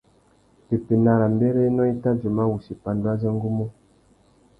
Pepena râ mbérénô i tà djôma wussi pandú azê ngu mú.